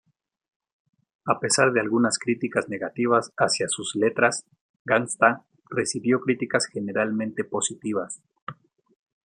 A pesar de algunas críticas negativas hacia sus letras "gangsta", recibió críticas generalmente positivas.